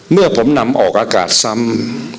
เมื่อผมนำออกอากาศซ้ำ